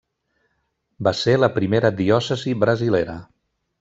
Va ser la primera diòcesi brasilera.